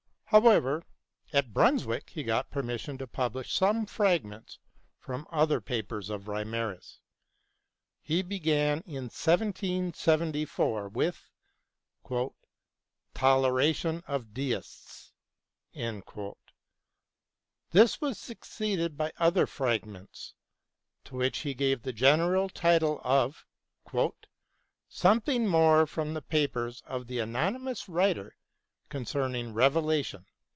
However, at Brunswick he got permission to publish some fragments from other papers of Reimarus. He began in 1774 with the " Tolera tion of Deists." This was succeeded by other fragments, to which he gave the general title of Something More from the Papers of the Anonymous Writer concerning Revelation."